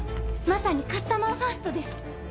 まさにカスタマーファーストです。